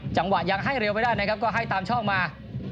จังหวะยังให้เร็วไปได้นะครับก็ให้ตามช่องมา